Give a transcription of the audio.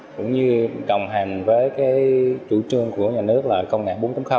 cũng như đồng hành với chủ trương của nhà nước là công nghệ bốn